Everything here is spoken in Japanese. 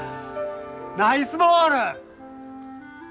ナイスボール！